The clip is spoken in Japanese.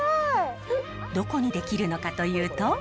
どこに出来るのかというと。